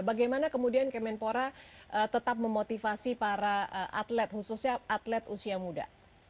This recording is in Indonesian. bagaimana kemudian kemenpora tetap memotivasi para atlet khususnya atlet usia muda